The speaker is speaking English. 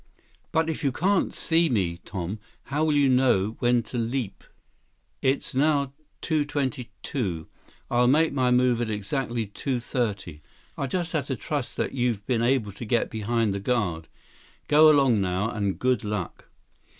"But if you can't see me, Tom, how will you know when to leap?" "It's now two twenty two. I'll make my move at exactly two thirty. I'll just have to trust that you've been able to get behind the guard. Go along now, and good luck."